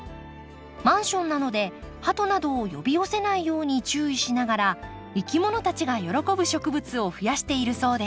マンションなのでハトなどを呼び寄せないように注意しながらいきものたちが喜ぶ植物をふやしているそうです。